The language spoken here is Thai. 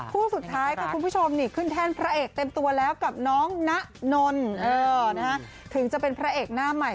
คู่สุดท้ายค่ะคุณผู้ชมนี่ขึ้นแท่นพระเอกเต็มตัวแล้วกับน้องนะนนถึงจะเป็นพระเอกหน้าใหม่